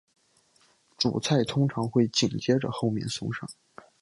主菜通常会紧接着后面送上。